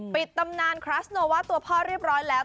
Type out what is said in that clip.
ตำนานคลัสโนว่าตัวพ่อเรียบร้อยแล้ว